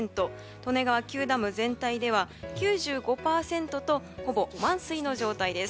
利根川９ダム全体では９５％とほぼ満水の状態です。